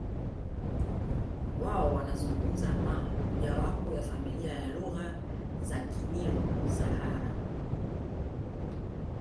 Wao wanazungumza Maa mojawapo ya familia ya lugha za Kinilo Sahara